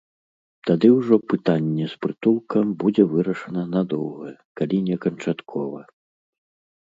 Тады ўжо пытанне з прытулкам будзе вырашана надоўга, калі не канчаткова.